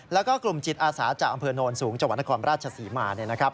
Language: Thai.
แล้วก็กลุ่มจิตอาสาจากอำเภอโนรสูงจครศมานะครับ